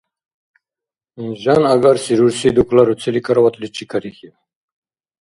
Жан агарси рурси дукларуцили кроватличи карихьиб.